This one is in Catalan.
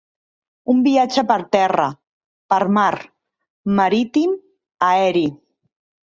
Un viatge per terra, per mar, marítim, aeri.